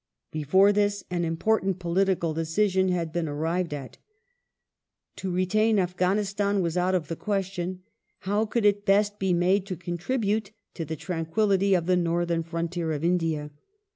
i Before this, an important political decision had been arrived at. To retain Afghanistan was out of the question. How could it best be made to contribute to the tranquillity of the Northern frontier of India